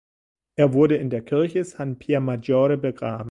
Er wurde in der Kirche San Pier Maggiore begraben.